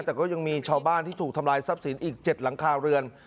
แต่ก็ยังมีชาวบ้านที่ถูกทำลายทรัพย์สินอีก๗หลังคาเรือน